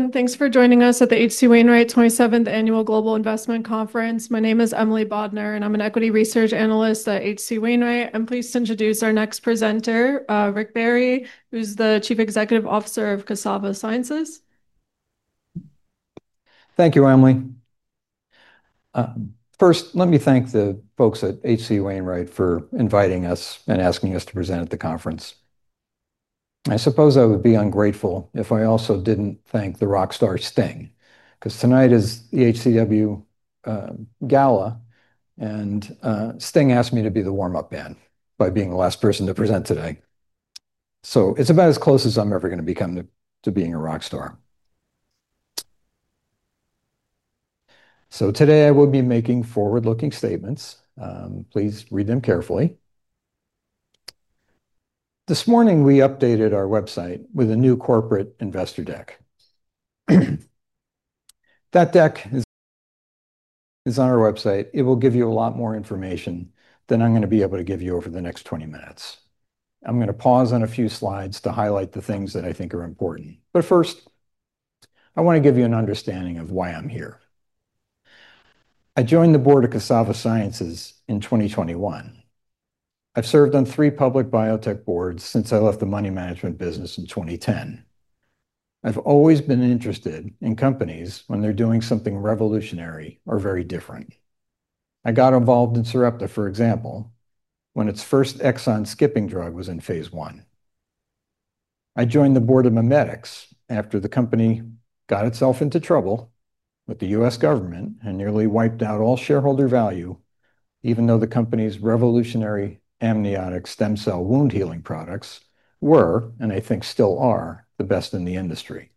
Hi everyone, thanks for joining us at the H.C. Wainwright 27th Annual Global Investment Conference. My name is Emily Bodnar, and I'm an Equity Research Analyst at H.C. Wainwright. I'm pleased to introduce our next presenter, Rick Barry, who's the Chief Executive Officer of Cassava Sciences. Thank you, Emily. First, let me thank the folks at H.C. Wainwright for inviting us and asking us to present at the conference. I suppose I would be ungrateful if I also didn't thank the rock star, Sting, because tonight is the HCW Gala, and Sting asked me to be the warm-up band by being the last person to present today. It's about as close as I'm ever going to become to being a rock star. Today I will be making forward-looking statements. Please read them carefully. This morning we updated our website with a new corporate investor deck. That deck is on our website. It will give you a lot more information than I'm going to be able to give you over the next 20 minutes. I'm going to pause on a few slides to highlight the things that I think are important. First, I want to give you an understanding of why I'm here. I joined the board of Cassava Sciences in 2021. I've served on three public biotech boards since I left the money management business in 2010. I've always been interested in companies when they're doing something revolutionary or very different. I got involved in Sarepta, for example, when its first exon-skipping drug was in phase I. I joined the board of MiMedx after the company got itself into trouble with the U.S. government and nearly wiped out all shareholder value, even though the company's revolutionary amniotic stem cell wound-healing products were, and I think still are, the best in the industry.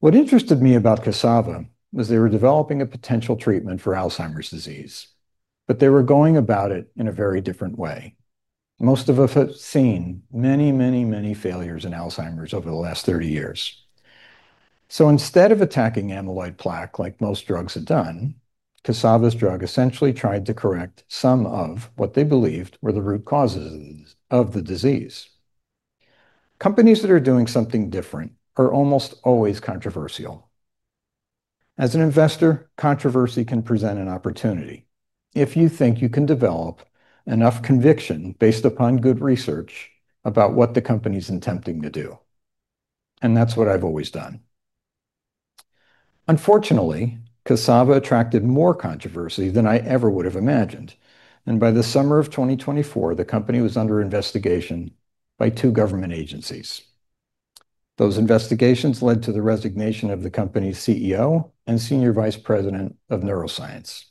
What interested me about Cassava was they were developing a potential treatment for Alzheimer's disease, but they were going about it in a very different way. Most of us have seen many, many, many failures in Alzheimer's over the last 30 years. Instead of attacking amyloid plaque like most drugs had done, Cassava's drug essentially tried to correct some of what they believed were the root causes of the disease. Companies that are doing something different are almost always controversial. As an investor, controversy can present an opportunity if you think you can develop enough conviction based upon good research about what the company is intending to do. That's what I've always done. Unfortunately, Cassava attracted more controversy than I ever would have imagined, and by the summer of 2024, the company was under investigation by two government agencies. Those investigations led to the resignation of the company's CEO and Senior Vice President of Neuroscience.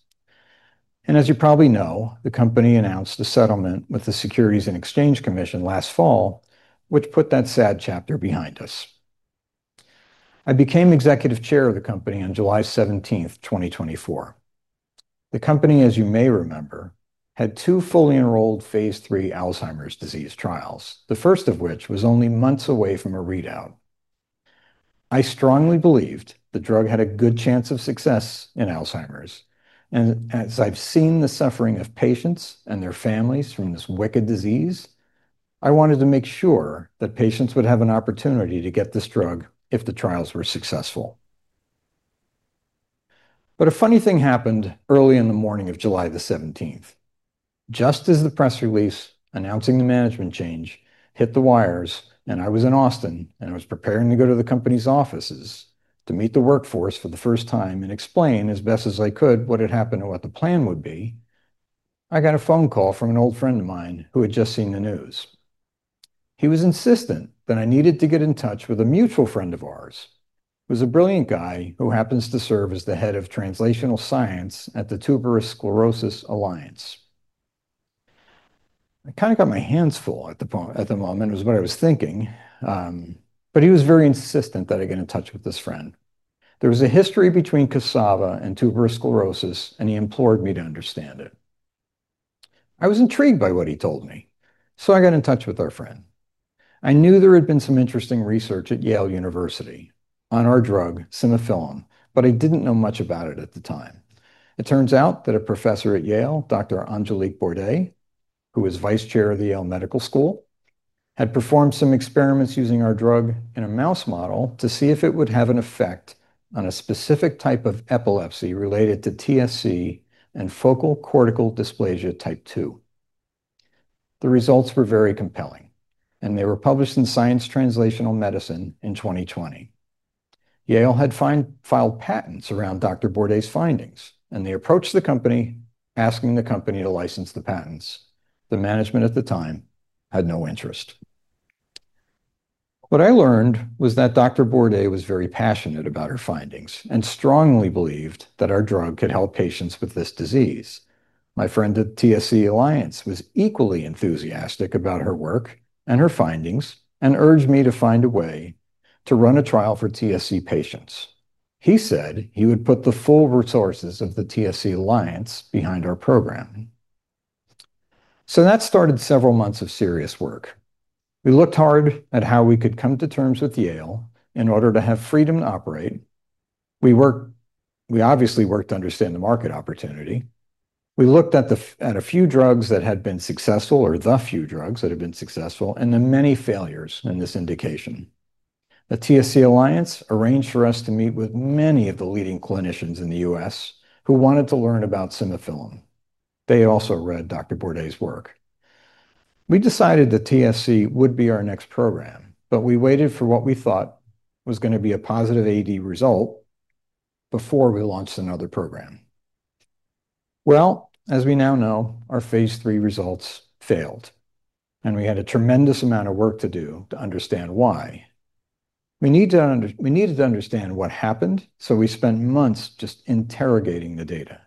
As you probably know, the company announced a settlement with the Securities and Exchange Commission last fall, which put that sad chapter behind us. I became Executive Chair of the company on July 17th, 2024. The company, as you may remember, had two fully enrolled phase III Alzheimer's disease trials, the first of which was only months away from a readout. I strongly believed the drug had a good chance of success in Alzheimer's, and as I've seen the suffering of patients and their families from this wicked disease, I wanted to make sure that patients would have an opportunity to get this drug if the trials were successful. A funny thing happened early in the morning of July 17th. Just as the press release announcing the management change hit the wires, I was in Austin and was preparing to go to the company's offices to meet the workforce for the first time and explain as best as I could what had happened and what the plan would be. I got a phone call from an old friend of mine who had just seen the news. He was insistent that I needed to get in touch with a mutual friend of ours. He was a brilliant guy who happens to serve as the head of translational science at the Tuberous Sclerosis Alliance. I kind of got my hands full at the moment, was what I was thinking, but he was very insistent that I get in touch with this friend. There was a history between Cassava and tuberous sclerosis, and he implored me to understand it. I was intrigued by what he told me, so I got in touch with our friend. I knew there had been some interesting research at Yale University on our drug, simufilam, but I didn't know much about it at the time. It turns out that a professor at Yale, Dr. Angélique Bordey, who was Vice Chair of the Yale Medical School, had performed some experiments using our drug in a mouse model to see if it would have an effect on a specific type of epilepsy related to TSC and focal cortical dysplasia type 2. The results were very compelling, and they were published in Science Translational Medicine in 2020. Yale had filed patents around Dr. Bordey's findings, and they approached the company, asking the company to license the patents. The management at the time had no interest. What I learned was that Dr. Bordey was very passionate about her findings and strongly believed that our drug could help patients with this disease. My friend at TSC Alliance was equally enthusiastic about her work and her findings and urged me to find a way to run a trial for TSC patients. He said he would put the full resources of the TSC Alliance behind our program. That started several months of serious work. We looked hard at how we could come to terms with Yale in order to have freedom to operate. We obviously worked to understand the market opportunity. We looked at a few drugs that had been successful, or the few drugs that had been successful, and the many failures in this indication. The TSC Alliance arranged for us to meet with many of the leading clinicians in the U.S. who wanted to learn about simufilam. They also read Dr. Bordey's work. We decided that TSC would be our next program, but we waited for what we thought was going to be a positive AD result before we launched another program. As we now know, our phase III results failed, and we had a tremendous amount of work to do to understand why. We needed to understand what happened, so we spent months just interrogating the data.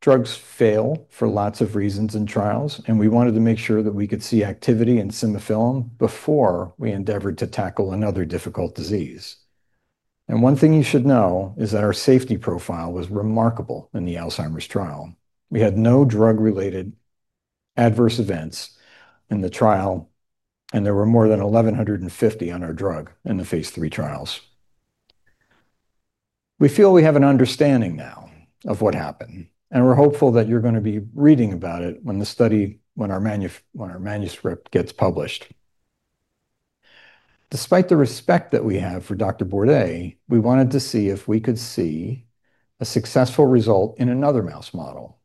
Drugs fail for lots of reasons in trials, and we wanted to make sure that we could see activity in simufilam before we endeavored to tackle another difficult disease. One thing you should know is that our safety profile was remarkable in the Alzheimer's trial. We had no drug-related adverse events in the trial, and there were more than 1,150 on our drug in the phase III trials. We feel we have an understanding now of what happened, and we're hopeful that you're going to be reading about it when our manuscript gets published. Despite the respect that we have for Dr. Bordey, we wanted to see if we could see a successful result in another mouse model.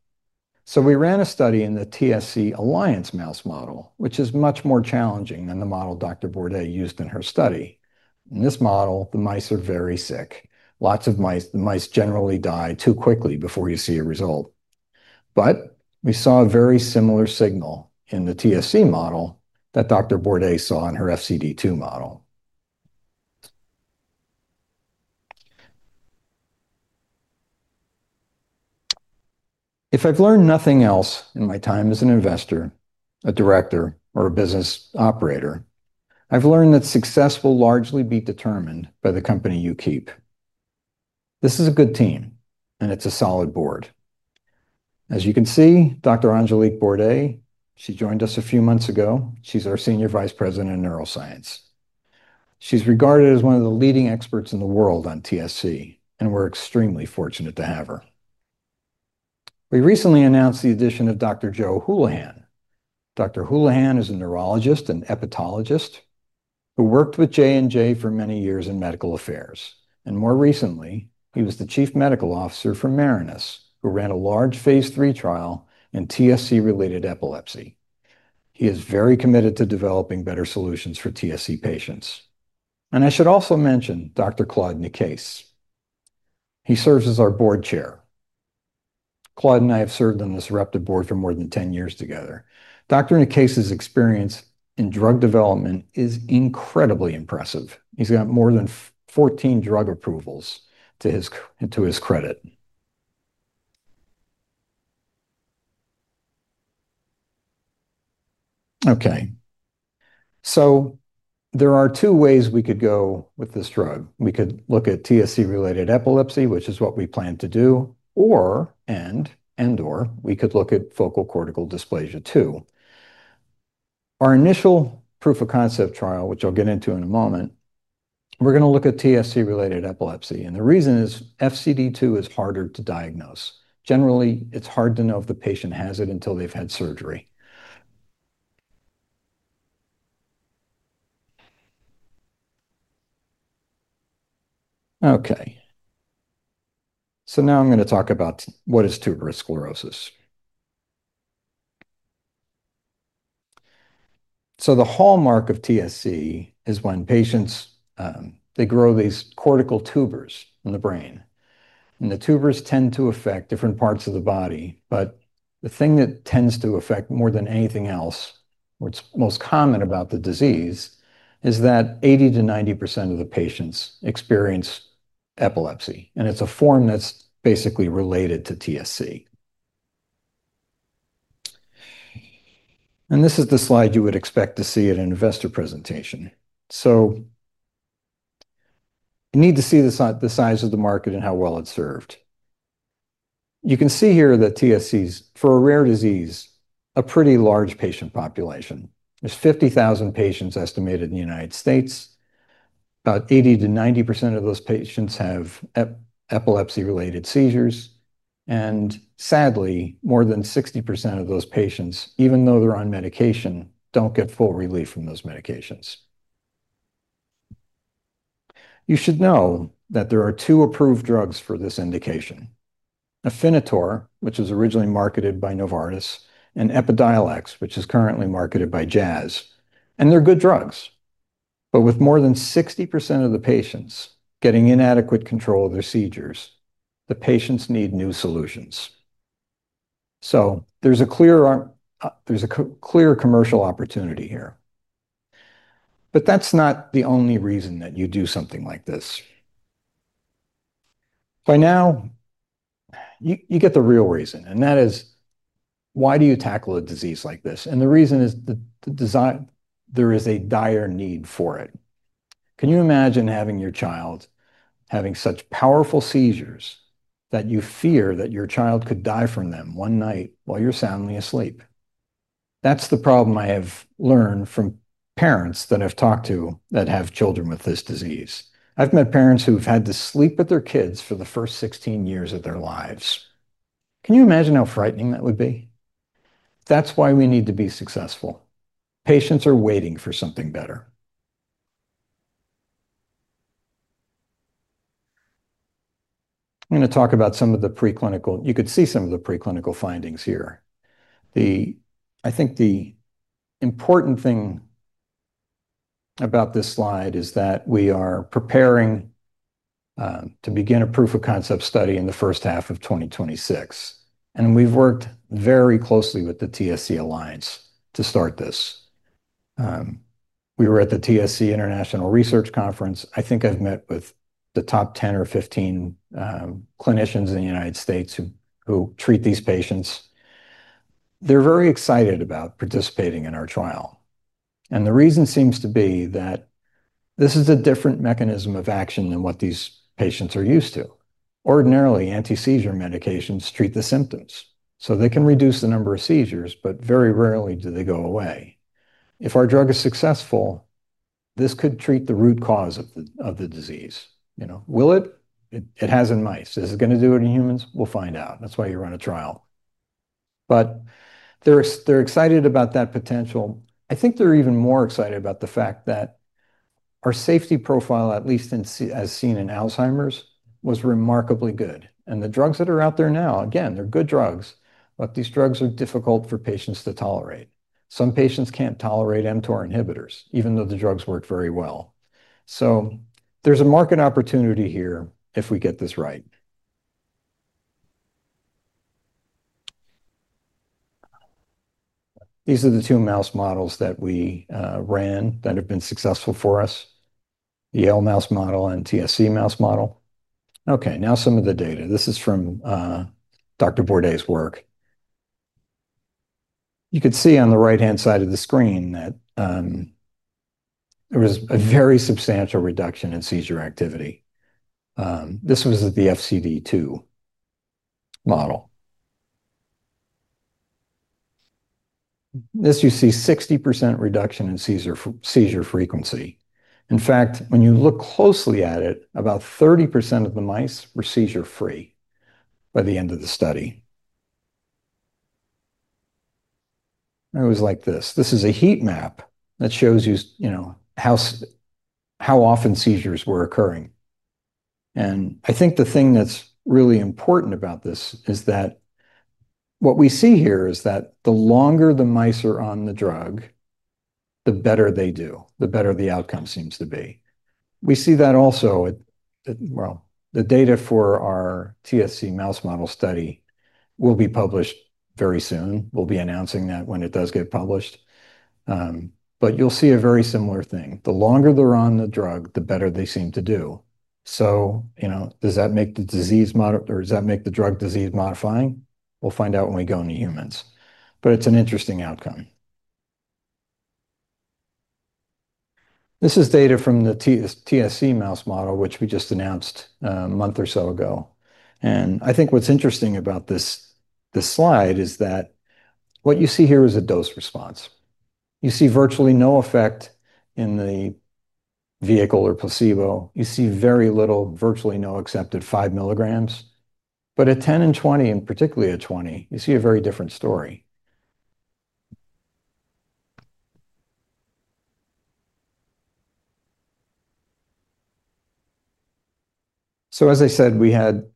We ran a study in the TSC Alliance mouse model, which is much more challenging than the model Dr. Bordey used in her study. In this model, the mice are very sick. Lots of mice generally die too quickly before you see a result. We saw a very similar signal in the TSC model that Dr. Bordey saw in her FCD2 model. If I've learned nothing else in my time as an investor, a director, or a business operator, I've learned that success will largely be determined by the company you keep. This is a good team, and it's a solid board. As you can see, Dr. Angélique Bordey, she joined us a few months ago. She's our Senior Vice President of Neuroscience. She's regarded as one of the leading experts in the world on TSC, and we're extremely fortunate to have her. We recently announced the addition of Dr. Joe Houlihan. Dr. Houlihan is a neurologist and hepatologist who worked with J&J for many years in medical affairs. More recently, he was the Chief Medical Officer for Marinus, who ran a large phase III trial in TSC-related epilepsy. He is very committed to developing better solutions for TSC patients. I should also mention Dr. Claude Nicaise. He serves as our Board Chair. Claude and I have served on this reputable board for more than 10 years together. Dr. Nicaise's experience in drug development is incredibly impressive. He's got more than 14 drug approvals to his credit. There are two ways we could go with this drug. We could look at TSC-related epilepsy, which is what we plan to do, and/or we could look at focal cortical dysplasia 2. Our initial proof-of-concept trial, which I'll get into in a moment, we're going to look at TSC-related epilepsy. The reason is FCD2 is harder to diagnose. Generally, it's hard to know if the patient has it until they've had surgery. Now I'm going to talk about what is tuberous sclerosis. The hallmark of TSC is when patients, they grow these cortical tubers in the brain. The tubers tend to affect different parts of the body, but the thing that tends to affect more than anything else, what's most common about the disease, is that 80%-90% of the patients experience epilepsy, and it's a form that's basically related to TSC. This is the slide you would expect to see in an investor presentation. You need to see the size of the market and how well it's served. You can see here that TSC is, for a rare disease, a pretty large patient population. There's 50,000 patients estimated in the United States. About 80%-90% of those patients have epilepsy-related seizures, and sadly, more than 60% of those patients, even though they're on medication, don't get full relief from those medications. You should know that there are two approved drugs for this indication: Afinitor, which was originally marketed by Novartis, and EPIDIOLEX, which is currently marketed by Jazz. They're good drugs. With more than 60% of the patients getting inadequate control of their seizures, the patients need new solutions. There's a clear commercial opportunity here. That's not the only reason that you do something like this. By now, you get the real reason, and that is, why do you tackle a disease like this? The reason is that there is a dire need for it. Can you imagine having your child having such powerful seizures that you fear that your child could die from them one night while you're soundly asleep? That's the problem I have learned from parents that I've talked to that have children with this disease. I've met parents who've had to sleep with their kids for the first 16 years of their lives. Can you imagine how frightening that would be? That's why we need to be successful. Patients are waiting for something better. I'm going to talk about some of the preclinical, you could see some of the preclinical findings here. I think the important thing about this slide is that we are preparing to begin a proof of concept study in the first half of 2026. We've worked very closely with the TSC Alliance to start this. We were at the TSC International Research Conference. I think I've met with the top 10 or 15 clinicians in the United States who treat these patients. They're very excited about participating in our trial. The reason seems to be that this is a different mechanism of action than what these patients are used to. Ordinarily, anti-seizure medications treat the symptoms, so they can reduce the number of seizures, but very rarely do they go away. If our drug is successful, this could treat the root cause of the disease. You know, will it? It has in mice. Is it going to do it in humans? We'll find out. That's why you run a trial. They're excited about that potential. I think they're even more excited about the fact that our safety profile, at least as seen in Alzheimer's, was remarkably good. The drugs that are out there now, again, they're good drugs, but these drugs are difficult for patients to tolerate. Some patients can't tolerate mTOR inhibitors, even though the drugs work very well. There's a market opportunity here if we get this right. These are the two mouse models that we ran that have been successful for us: the Yale mouse model and TSC mouse model. Okay, now some of the data. This is from Dr. Bordey's work. You could see on the right-hand side of the screen that there was a very substantial reduction in seizure activity. This was at the FCD2 model. This, you see, 60% reduction in seizure frequency. In fact, when you look closely at it, about 30% of the mice were seizure-free by the end of the study. It was like this. This is a heat map that shows you, you know, how often seizures were occurring. I think the thing that's really important about this is that what we see here is that the longer the mice are on the drug, the better they do. The better the outcome seems to be. We see that also at, well, the data for our TSC mouse model study will be published very soon. We'll be announcing that when it does get published. You'll see a very similar thing. The longer they're on the drug, the better they seem to do. Does that make the disease modifying, or does that make the drug disease modifying? We'll find out when we go into humans. It's an interesting outcome. This is data from the TSC mouse model, which we just announced a month or so ago. I think what's interesting about this slide is that what you see here is a dose response. You see virtually no effect in the vehicle or placebo. You see very little, virtually no, except at 5 mg. At 10 mg and 20 mg, and particularly at 20 mg, you see a very different story. As I said, we had,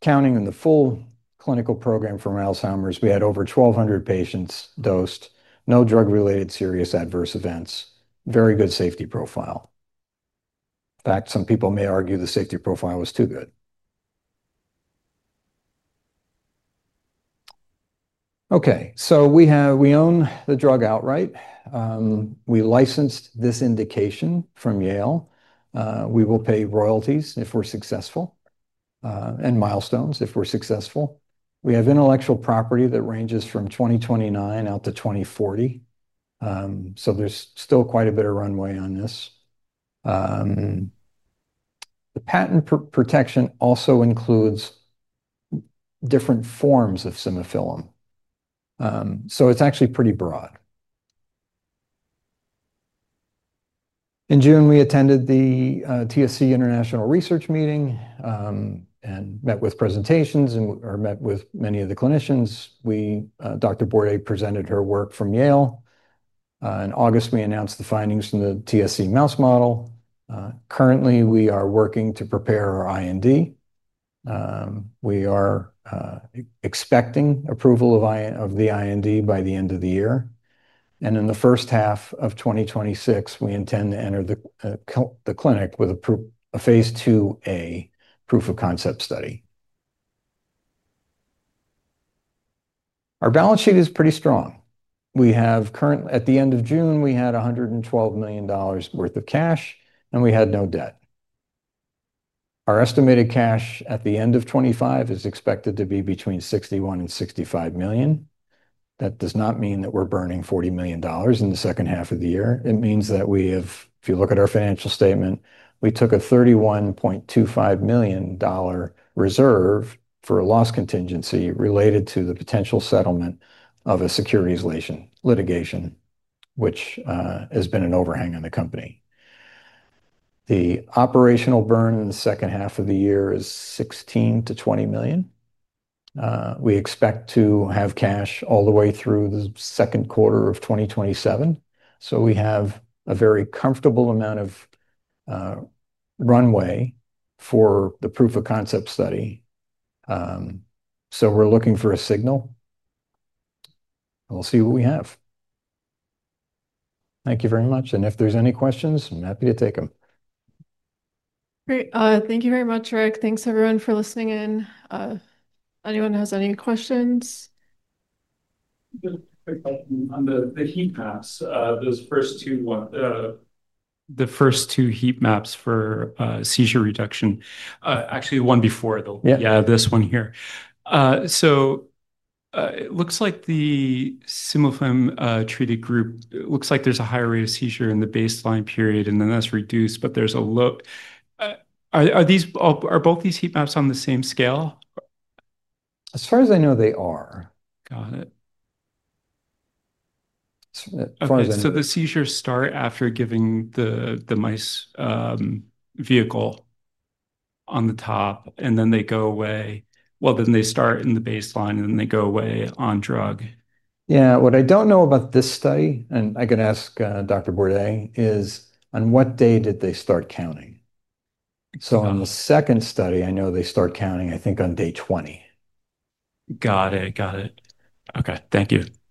counting in the full clinical program for Alzheimer's, we had over 1,200 patients dosed, no drug-related serious adverse events, very good safety profile. In fact, some people may argue the safety profile was too good. Okay, we have, we own the drug outright. We licensed this indication from Yale. We will pay royalties if we're successful, and milestones if we're successful. We have intellectual property that ranges from 2029 out to 2040. There's still quite a bit of runway on this. The patent protection also includes different forms of simufilam. It's actually pretty broad. In June, we attended the TSC International Research Meeting and met with presentations and met with many of the clinicians. Dr. Bordey presented her work from Yale. In August, we announced the findings from the TSC mouse model. Currently, we are working to prepare our IND. We are expecting approval of the IND by the end of the year. In the first half of 2026, we intend to enter the clinic with a phase II-A proof-of-concept study. Our balance sheet is pretty strong. Currently, at the end of June, we had $112 million worth of cash, and we had no debt. Our estimated cash at the end of 2025 is expected to be between $61 million and $65 million. That does not mean that we're burning $40 million in the second half of the year. It means that we have, if you look at our financial statement, we took a $31.25 million reserve for a loss contingency related to the potential settlement of a securities litigation, which has been an overhang in the company. The operational burn in the second half of the year is $16 million-$20 million. We expect to have cash all the way through the second quarter of 2027. We have a very comfortable amount of runway for the proof-of-concept study. We're looking for a signal. We'll see what we have. Thank you very much. If there's any questions, I'm happy to take them. Great. Thank you very much, Rick. Thanks everyone for listening in. Anyone has any questions? Just a quick question on the heat maps. The first two heat maps for seizure reduction. Actually, the one before, though. Yeah, this one here. It looks like the simufilam-treated group, it looks like there's a higher rate of seizure in the baseline period, and then that's reduced, but there's a low. Are both these heat maps on the same scale? As far as I know, they are. Got it. As far as I know. The seizures start after giving the mice vehicle on the top, and then they go away. They start in the baseline, and then they go away on drug. What I don't know about this study, and I can ask Dr. Bordey, is on what day did they start counting? On the second study, I know they start counting, I think, on day 20. Got it. Okay. Thank you. Sure.